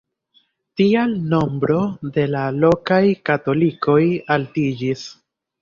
Tial nombro de la lokaj katolikoj altiĝis.